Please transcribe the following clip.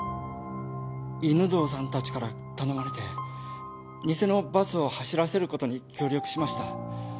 犬堂さんたちから頼まれて偽のバスを走らせることに協力しました。